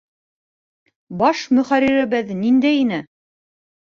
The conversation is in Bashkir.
Баш мөхәррирҙәребеҙ ниндәй ине!